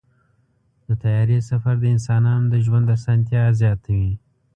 د طیارې سفر د انسانانو د ژوند اسانتیا زیاتوي.